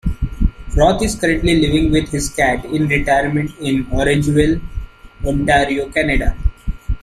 Roth is currently living with his cat in retirement in Orangeville, Ontario, Canada.